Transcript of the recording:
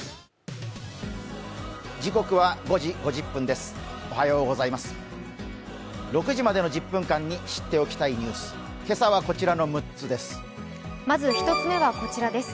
６時までの１０分間に知っておきたいニュース、今朝はこちらの６つです。